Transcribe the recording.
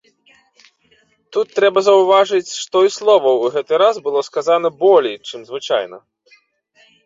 Тут трэба заўважыць, што і словаў у гэты раз было сказана болей, чым звычайна.